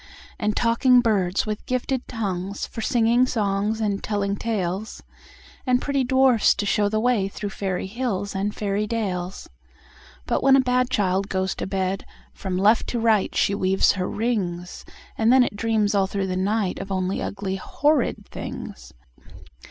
And talking birds with gifted tongues, For singing songs and telling tales, And pretty dwarfs to show the way Through fairy hills and fairy dales. But when a bad child goes to bed, From left to right she weaves her rings, And then it dreams all through the night Of only ugly horrid things!